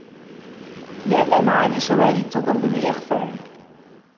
لِأَنَّ الْمَعَانِيَ شَوَارِدُ تَضِلُّ بِالْإِغْفَالِ